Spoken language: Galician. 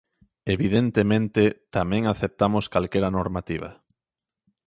Evidentemente, tamén aceptamos calquera normativa.